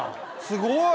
すごい！